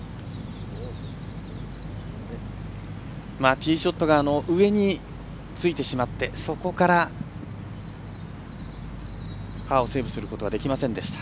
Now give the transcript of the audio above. ティーショットが上についてしまってそこからパーをセーブすることはできませんでした